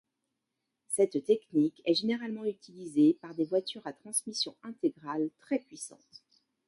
Cette technique est généralement utilisée par des voitures à transmission intégrale très puissantes.